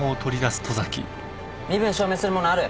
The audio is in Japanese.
身分証明するものある？